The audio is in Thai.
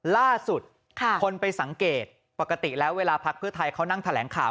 ล่าสุดคนไปสังเกตปกติแล้วเวลาพักเพื่อไทยเขานั่งแถลงข่าว